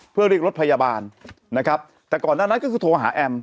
เพื่อเรียกรถพยาบาลนะครับแต่ก่อนหน้านั้นก็คือโทรหาแอม